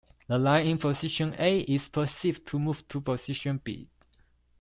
The line in position A is perceived to move to position B.